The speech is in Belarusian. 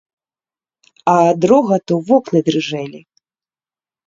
А ад рогату вокны дрыжэлі.